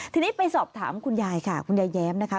ทีนี้ไปสอบถามคุณยายค่ะคุณยายแย้มนะคะ